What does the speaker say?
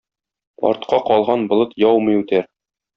Артка калган болыт яумый үтәр.